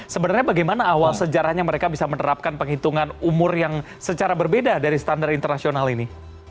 sebenarnya bagaimana awal sejarahnya mereka bisa menerapkan penghitungan umur yang secara berbeda dari standar internasional ini